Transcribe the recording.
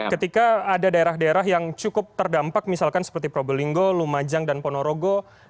ketika ada daerah daerah yang cukup terdampak misalkan seperti probolinggo lumajang dan ponorogo